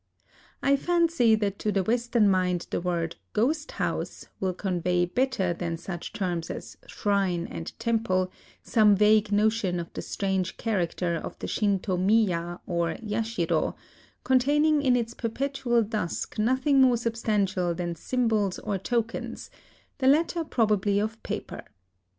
I fancy that to the Western mind the word " ghost house " will convey, better than such terms as " shrine " and " temple," some vague notion of the strange character of the Shinto mlya or yashiro, — containing in its perpetual dusk nothing more substantial than symbols or tokens, the latter probably of paper.